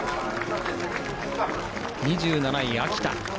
２７位、秋田。